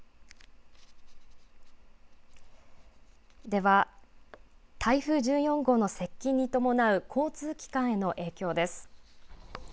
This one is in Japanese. では、台風１４号の接近に伴う交通機関への影響です。